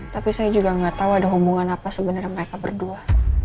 tapi saya juga gak tau ada hubungan apa sebenernya mereka berdua